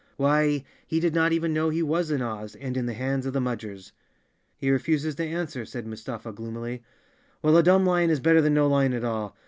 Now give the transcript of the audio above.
Why, he did not even know he was in Oz, and in the hands of the Mudgers. "He refuses to answer," said Mustafa gloomily. "Well, a dumb lion is better than no lion at all.